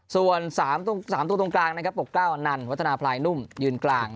ส่วน๓ตัวตรงกลางนะครับปกเก้าอนันวัฒนาพลายนุ่มยืนกลาง